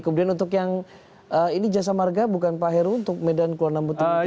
kemudian untuk yang ini jasa marga bukan pak hero untuk medan kuala lumpur tenggara